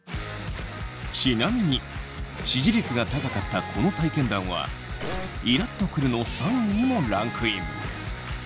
ちなみに支持率が高かったこの体験談はイラッとくるの３位にもランクイン。